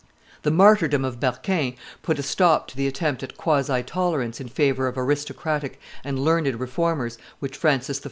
The martyrdom of Berquin put a stop to the attempt at quasi tolerance in favor of aristocratic and learned Reformers which Francis I.